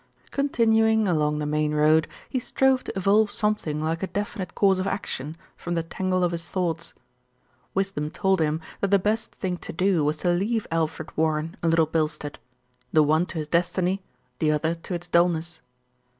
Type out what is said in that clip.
Continuing along the main road, he strove to evolve something like a definite course of action from the tangle of his thoughts. Wis dom told him that the best thing to do was to leave Alfred Warren and Little Bilstead the one to his destiny, the other to its dulness.